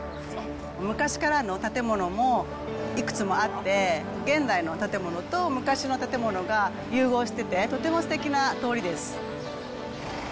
昔からの建物もいくつもあって、現在の建物と昔の建物が融合してて、とてもすてきな通りです。